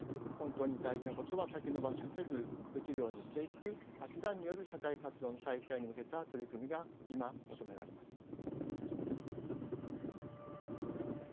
本当に大事なことは先延ばしせずできるようにしていく足し算による社会活動の再開に向けた取り組みが今求められます。